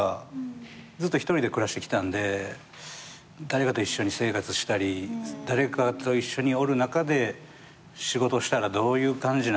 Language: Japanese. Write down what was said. ずっと１人で暮らしてきたんで誰かと一緒に生活したり誰かと一緒におる中で仕事したらどういう感じなんのかな？